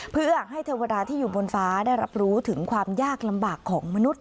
เพื่อให้เทวดาที่อยู่บนฟ้าได้รับรู้ถึงความยากลำบากของมนุษย